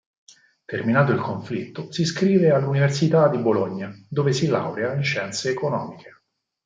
Terminato il conflitto si iscrive all'Università di Bologna dove si laurea in scienze economiche.